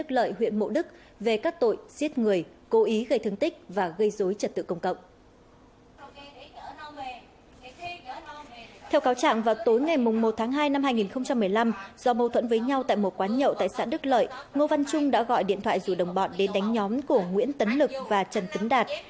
theo cáo trạng vào tối ngày một tháng hai năm hai nghìn một mươi năm do mâu thuẫn với nhau tại một quán nhậu tại xã đức lợi ngô văn trung đã gọi điện thoại rủ đồng bọn đến đánh nhóm của nguyễn tấn lực và trần tấn đạt